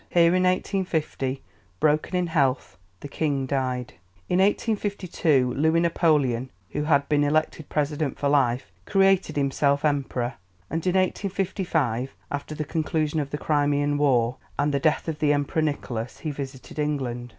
Here in 1850, broken in health, the King died. In 1852 Louis Napoleon, who had been elected President for life, created himself Emperor, and in 1855, after the conclusion of the Crimean War and the death of the Emperor Nicholas, he visited England.